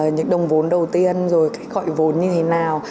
những đồng vốn đầu tiên rồi cái gọi vốn như thế nào